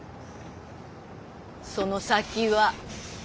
その先は。